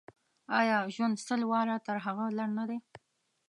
آیا ژوند سل واره تر هغه لنډ نه دی.